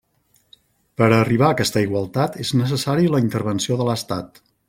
Per a arribar aquesta igualtat és necessari la intervenció de l'Estat.